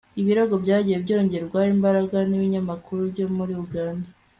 ibirego byagiye byongererwa imbaraga n'ibinyamakuru byo muri uganda